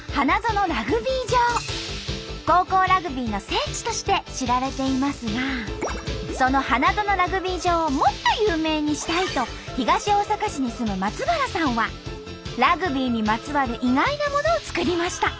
高校ラグビーの聖地として知られていますがその花園ラグビー場をもっと有名にしたいと東大阪市に住む松原さんはラグビーにまつわる意外なものを作りました。